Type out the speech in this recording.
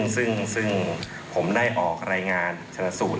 ซึ่งผมได้ออกรายงานชนะสูตร